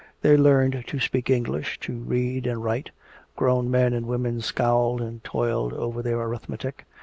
They learned to speak English, to read and write; grown men and women scowled and toiled over their arithmetic.